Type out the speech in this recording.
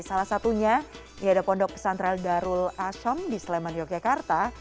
salah satunya ini ada pondok pesantren darul asom di sleman yogyakarta